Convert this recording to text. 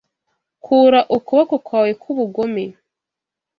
kura ukuboko kwawe kwubugome